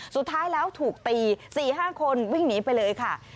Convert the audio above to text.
สุดท้ายแล้วถูกตี๔๕คนวิ่งหนีไปเลยค่ะ